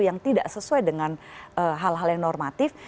yang tidak sesuai dengan hal hal yang normatif